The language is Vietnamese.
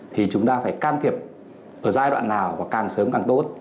thì chúng ta phải can thiệp ở giai đoạn nào và càng sớm càng tốt